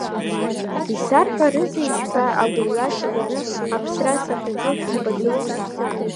Исарҳәарызеишь ҳәа агәырҩа саганы аԥсра сахьаҿу шәымбаӡои?